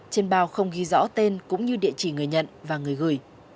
trên bao không ghi rõ tên cũng như địa chỉ người nhận và người gửi